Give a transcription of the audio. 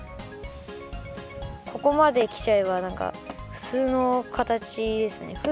ここまできちゃえばなんかふつうの形ですね。